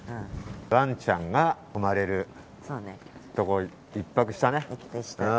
ワンちゃんが泊まれるところに１泊したね。